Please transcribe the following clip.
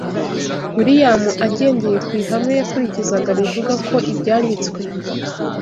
’ Wiliyamu agendeye ku ihame yakurikizaga rivuga ko Ibyanditswe